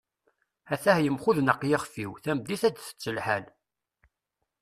at-ah yemxudneq yixef-iw, tameddit ad tett lḥal